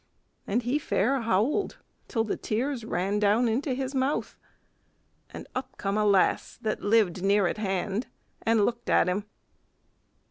and he fair howled, till the tears ran down into his mouth. And up came a lass that lived near at hand, and looked at him.